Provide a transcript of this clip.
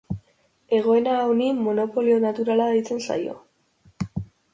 Egoera honi monopolio naturala deitzen zaio.